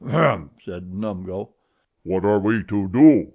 "Gr r rmph," said Numgo. "What are we to do?"